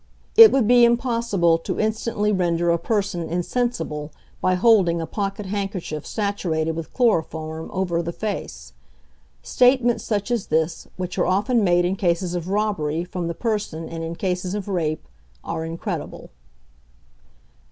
It would be impossible to instantly render a person insensible by holding a pocket handkerchief saturated with chloroform over the face. Statements such as this, which are often made in cases of robbery from the person and in cases of rape, are incredible.